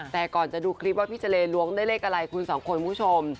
แต่ก่อนจะดูคลิปว่าพี่เจรล้วงได้เลขอะไรคุณสองคนคุณผู้ชม